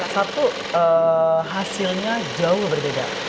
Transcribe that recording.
satu hasilnya jauh berbeda